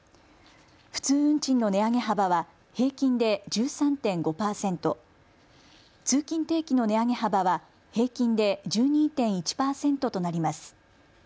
普通運賃の値上げ幅は平均で１３．５％、通勤定期の値上げ幅は平均で１２．１％となります。